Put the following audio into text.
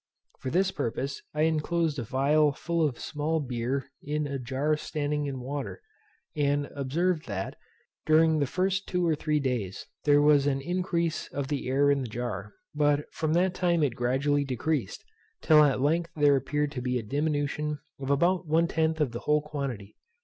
For this purpose I inclosed a phial full of small beer in a jar standing in water; and observed that, during the first two or three days, there was an increase of the air in the jar, but from that time it gradually decreased, till at length there appeared to be a diminution of about one tenth of the whole quantity.